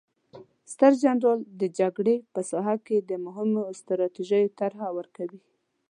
ستر جنرال د جګړې په ساحه کې د مهمو ستراتیژیو طرحه ورکوي.